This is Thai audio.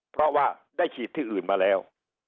เพราะว่าได้ฉีดที่อื่นมาแล้ว